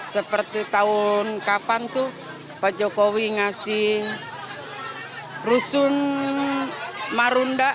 seperti tahun kapan tuh pak jokowi ngasih rusun marunda